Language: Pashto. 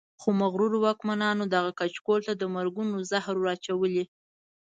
خو مغرورو واکمنو دغه کچکول ته د مرګونو زهر ور اچولي.